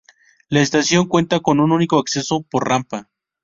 La estación cuenta con un único acceso, por rampa.